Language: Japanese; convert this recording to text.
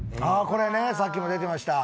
これねさっきも出てました